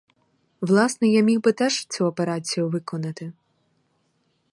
Власне, я міг би теж цю операцію виконати.